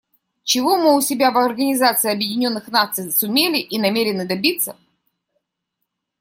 Чего мы у себя в Организации Объединенных Наций сумели или намерены добиться?